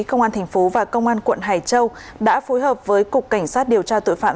công an thành phố và công an quận hải châu đã phối hợp với cục cảnh sát điều tra tội phạm